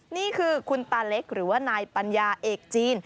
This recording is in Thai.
นี่คือคุณตาเล็กหรือว่านายปัญญาเอกจีน